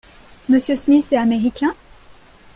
M. Smith est américain ?